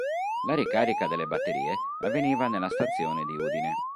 La ricarica delle batterie avveniva nella stazione di Udine.